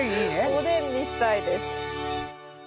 おでんにしたいです。